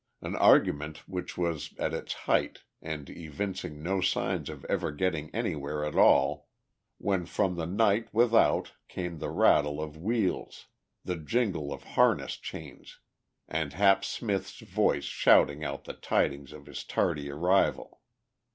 An argument which was at its height and evincing no signs of ever getting anywhere at all, when from the night without came the rattle of wheels, the jingle of harness chains and Hap Smith's voice shouting out the tidings of his tardy arrival.